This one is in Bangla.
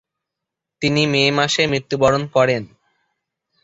তিনি মে মাসে মৃত্যুবরণ করেন।